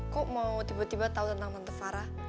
kok mau tiba tiba tau tentang tante farah